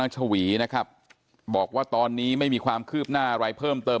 ชวีนะครับบอกว่าตอนนี้ไม่มีความคืบหน้าอะไรเพิ่มเติม